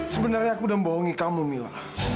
sebenarnya aku udah membohongi kamu mila